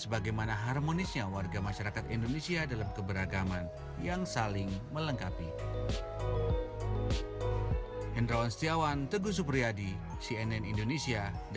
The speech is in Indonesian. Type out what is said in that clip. sebagaimana harmonisnya warga masyarakat indonesia dalam keberagaman yang saling melengkapi